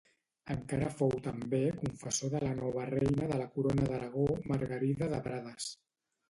Encara fou també confessor de la nova reina de la Corona d’Aragó Margarida de Prades.